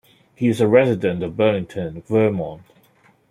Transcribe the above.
He is a resident of Burlington, Vermont.